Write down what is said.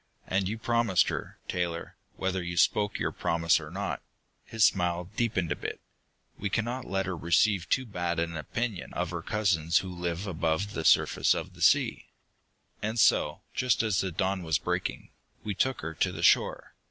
And you promised her, Taylor, whether you spoke your promise or not." His smile deepened a bit. "We cannot let her receive too bad an opinion of her cousins who live above the surface of the sea!" And so, just as the dawn was breaking, we took her to the shore.